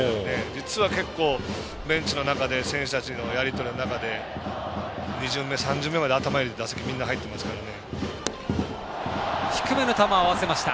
実は結構、ベンチの中で選手たちのやり取りの中で２巡目、３巡目まで頭入れて打席、入ってますからね。